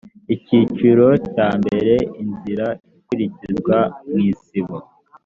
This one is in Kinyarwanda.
icyiciro cya mbere inzira ikurikizwa mwisibo